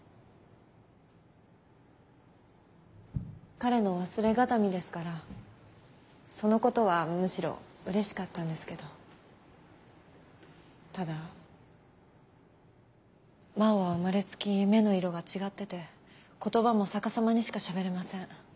彼の忘れ形見ですからそのことはむしろうれしかったんですけどただ真央は生まれつき目の色が違ってて言葉も逆さまにしかしゃべれません。